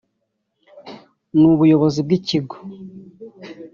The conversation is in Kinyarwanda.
n'Ubuyobozi bw'Ikigo